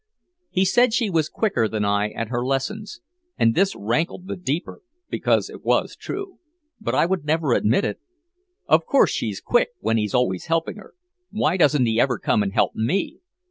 He said she was quicker than I at her lessons. And this rankled the deeper because it was true. But I would never admit it. "Of course she's quick, when he's always helping her. Why doesn't he ever come and help me?"